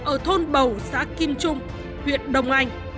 ở thôn bầu xã kim trung huyện đồng anh